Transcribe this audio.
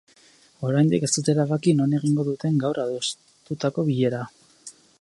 Oraindik ez dute erabaki non egingo duten gaur adostutako bilera.